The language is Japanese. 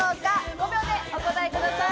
５秒でお答えください。